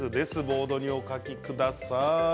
ボードにお書きください。